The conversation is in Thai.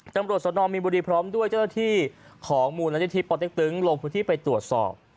จังหวัดสนองมีบริพร้อมด้วยเจ้าหน้าที่ของมูลรัฐศิษย์ปติ๊กตึ๋งลงพื้นที่ไปตรวจสอบ